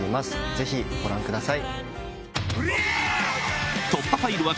ぜひご覧ください。